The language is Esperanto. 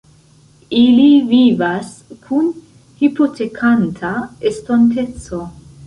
Ili vivas kun hipotekanta estonteco.